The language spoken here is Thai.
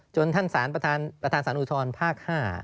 ท่านสารประธานสารอุทธรภาค๕